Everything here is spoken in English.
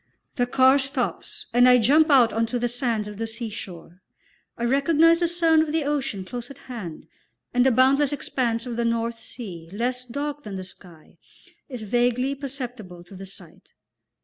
The car stops and I jump out on to the sands of the seashore; I recognise the sound of the ocean close at hand, and the boundless expanse of the North Sea, less dark than the sky, is vaguely perceptible to the sight.